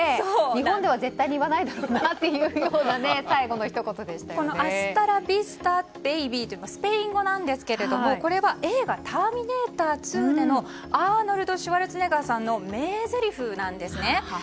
日本では絶対に言わないだろうなというアスタ・ラ・ビスタベイビー！っていうのはスペイン語なんですがこれは映画「ターミネーター２」でのアーノルド・シュワルツェネッガーさんの名ぜりふなんです。